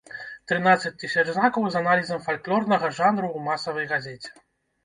Трынаццаць тысяч знакаў з аналізам фальклорнага жанру ў масавай газеце!